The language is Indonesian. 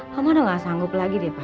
mama udah gak sanggup lagi deh pa